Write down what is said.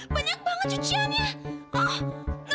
banyak banget cuciannya